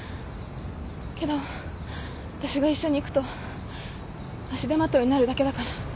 けど私が一緒に行くと足手まといになるだけだから。